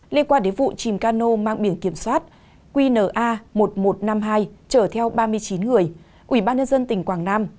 liên quan đến vụ chìm cano mang biển kiểm soát qna một nghìn một trăm năm mươi hai chở theo ba mươi chín người ủy ban nhân dân tỉnh quảng nam